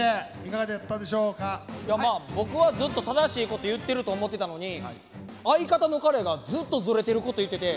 いやまあ僕はずっと正しいこと言ってると思てたのに相方の彼がずっとずれてること言ってて。